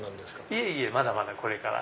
いえいえまだまだこれから。